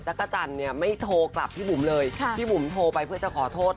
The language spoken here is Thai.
กระจันเนี่ยไม่โทรกลับพี่บุ๋มเลยพี่บุ๋มโทรไปเพื่อจะขอโทษ